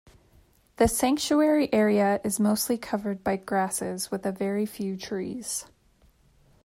The sanctuary area is mostly covered by grasses with a very few trees.